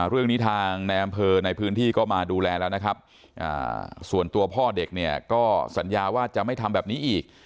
เรื่องนี้ทางในอำเภอในพื้นที่ก็มาดูแลแล้วนะครับส่วนตัวพ่อเด็กเนี่ยก็สัญญาว่าจะไม่ทำแบบนี้อีก